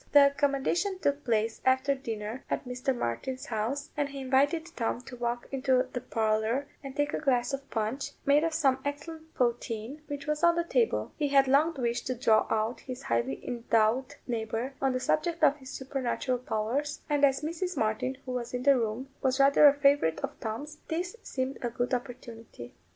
The accommodation took place after dinner at Mr. Martin's house, and he invited Tom to walk into the parlour and take a glass of punch, made of some excellent poteen, which was on the table: he had long wished to draw out his highly endowed neighbour on the subject of his supernatural powers, and as Mrs. Martin, who was in the room, was rather a favourite of Tom's, this seemed a good opportunity.